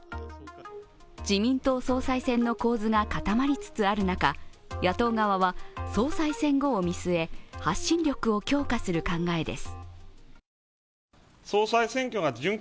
自民党総裁選の構図が固まりつつある中野党側は総裁選後を見据え、発信力を強化する考えです。